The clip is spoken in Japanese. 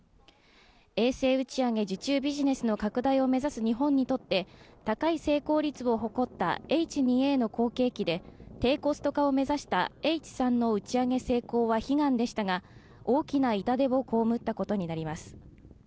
衛星打ち上げ受注ビジネスの拡大を目指す日本にとって高い成功率を誇ったＨ２Ａの後継機で、低コスト化を目指したＨ３の打ち上げ成功は悲願でしたが、大きな痛手をこうむったことになります。